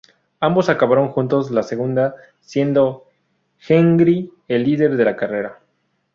Ambos acabaron juntos la segunda, siendo Henri el líder de la carrera.